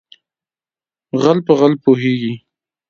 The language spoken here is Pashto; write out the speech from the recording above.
ـ غل په غل پوهېږي.